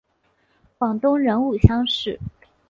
广东壬午乡试。